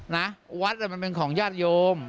นะวัดมันเป็นของญาติโยม